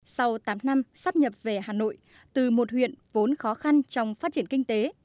sau tám năm sắp nhập về hà nội từ một huyện vốn khó khăn trong phát triển kinh tế